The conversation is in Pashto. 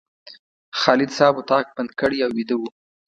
خالد صاحب اتاق بند کړی او ویده و.